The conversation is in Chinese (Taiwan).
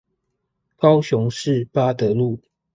高雄市八德路